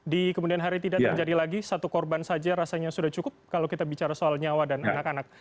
di kemudian hari tidak terjadi lagi satu korban saja rasanya sudah cukup kalau kita bicara soal nyawa dan anak anak